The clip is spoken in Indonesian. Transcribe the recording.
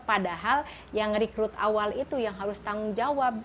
padahal yang rekrut awal itu yang harus tanggung jawab